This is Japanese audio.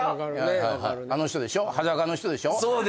あの人でしょう、裸の人でしょう？